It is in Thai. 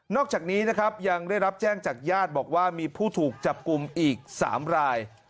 อกจากนี้นะครับยังได้รับแจ้งจากญาติบอกว่ามีผู้ถูกจับกลุ่มอีก๓ราย